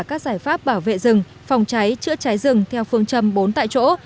các giải pháp bảo vệ rừng phòng cháy chữa cháy rừng theo phương châm bốn tại chỗ